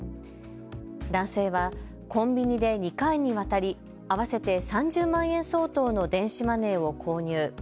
男性はコンビニで２回にわたり、合わせて３０万円相当の電子マネーを購入。